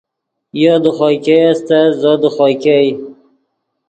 یو دے خوئے ګئے استت زو دے خوئے ګئے